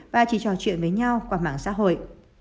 và chỉ trò chuyện với nhau qua mạng xã hội